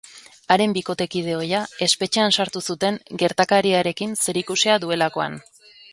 Haren bikotekide ohia espetxean sartu zuten gertakariarekin zerikusia duelakoan.